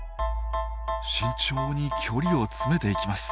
慎重に距離を詰めていきます。